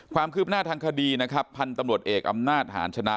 ความคืบหน้าทางคดีนะครับพันธุ์ตำรวจเอกอำนาจหาญชนะ